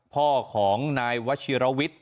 พ่อของนายวชิรวิทย์